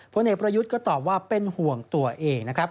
ผลเอกประยุทธ์ก็ตอบว่าเป็นห่วงตัวเองนะครับ